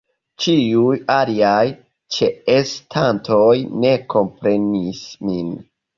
Ĉiuj aliaj ĉeestantoj ne komprenis min.